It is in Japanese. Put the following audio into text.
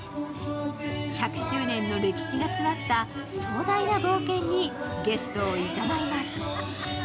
１００周年の歴史が詰まった壮大な冒険にゲストをいざないます。